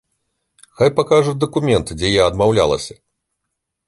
Хай пакажуць дакумент, дзе я адмаўлялася.